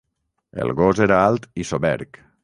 El gos era alt i soberg.